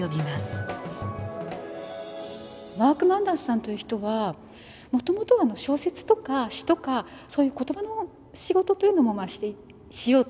マーク・マンダースさんという人はもともとは小説とか詩とかそういう言葉の仕事というのもまあしようと試みてた人なんです。